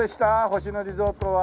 星野リゾートは。